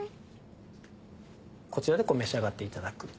こちらで召し上がっていただく。